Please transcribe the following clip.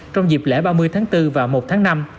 trong dịp lễ ba mươi tháng bốn và một tháng năm